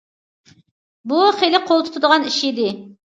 بۇ خېلى قول تۇتىدىغان ئىش ئىدى.